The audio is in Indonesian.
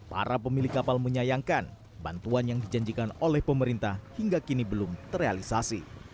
para pemilik kapal menyayangkan bantuan yang dijanjikan oleh pemerintah hingga kini belum terrealisasi